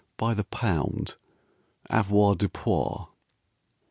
By the pound Avoirdupois.